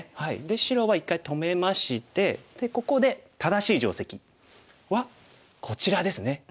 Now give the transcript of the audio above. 白は一回止めましてでここで正しい定石はこちらですね。